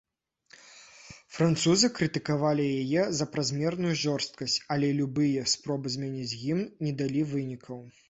Французы крытыкавалі яе за празмерную жорсткасць, але любыя спробы змяніць гімн не далі вынікаў.